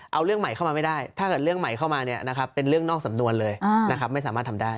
เอาเรื่องใหม่เข้ามาไม่ได้ถ้าเกิดเรื่องใหม่เข้ามาเป็นเรื่องนอกสำนวนเลยนะครับไม่สามารถทำได้